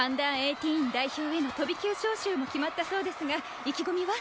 Ｕ−１８代表への飛び級招集も決まったそうですが意気込みは？